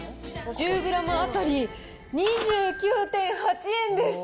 １０グラム当たり２９．８円です！